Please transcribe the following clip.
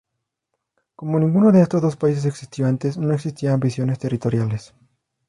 Como ninguno de estos dos países existió antes, no existían ambiciones territoriales.